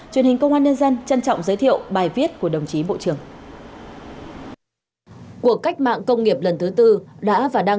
truyền hình công an nhân dân trân trọng giới thiệu bài viết của đồng chí bộ trưởng